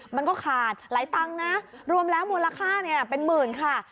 มันก็ขาดหลายตังค์นะรวมแล้วมูลค่าเป็นหมื่นค่ะ